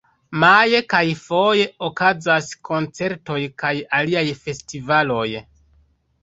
Maje kaj foje okazas koncertoj kaj aliaj festivaloj.